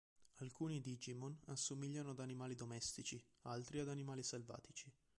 Alcuni Digimon assomigliano ad animali domestici, altri ad animali selvatici.